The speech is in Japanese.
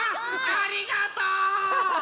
ありがとう！